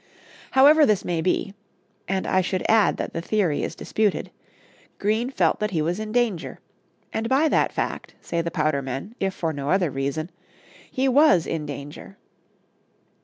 However this may be (and I should add that the theory is disputed), Green felt that he was in danger, and by that fact, say the powder men, if for no other reason, he was in danger.